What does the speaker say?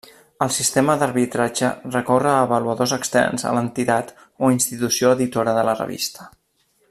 El sistema d'arbitratge recorre a avaluadors externs a l'entitat o institució editora de la revista.